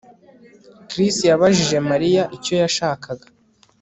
Chris yabajije Mariya icyo yashakaga